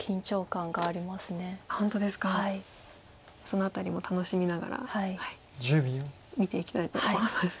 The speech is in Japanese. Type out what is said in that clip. その辺りも楽しみながら見ていきたいと思います。